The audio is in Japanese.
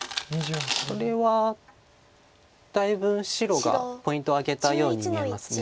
これはだいぶん白がポイントを挙げたように見えます。